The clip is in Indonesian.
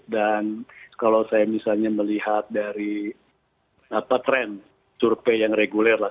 dan kalau saya misalnya melihat dari trend survei yang reguler lah